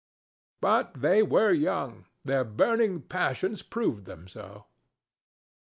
But they were young: their burning passions proved them so.